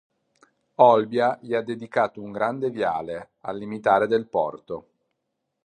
Olbia gli ha dedicato un grande viale, al limitare del porto.